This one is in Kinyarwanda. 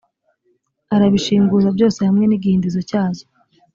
arabishinguza byose hamwe n igihindizo cyazo